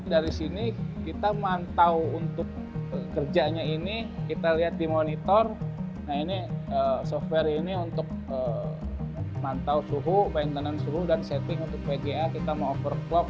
dari sini kita mantau untuk kerjanya ini kita lihat di monitor nah ini software ini untuk mantau suhu maintenance suhu dan setting untuk pga kita mau overclock